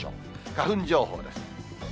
花粉情報です。